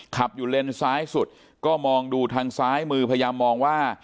ขับอยู่เลนซ้ายสุดก็มองดูทางซ้ายมือพยายามมองว่า